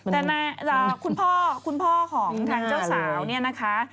แต่คุณพ่อคุณพ่อของทางเจ้าสาวเนี่ยนะคะ